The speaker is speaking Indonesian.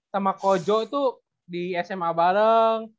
sama kojo itu di sma bareng